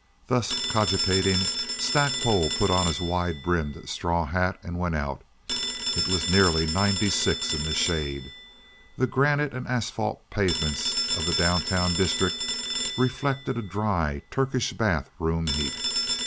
Thus cogitating, Stackpole put on his wide brimmed straw hat and went out. It was nearly ninety six in the shade. The granite and asphalt pavements of the down town district reflected a dry, Turkish bath room heat.